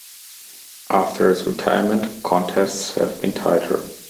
After his retirement, contests have been tighter.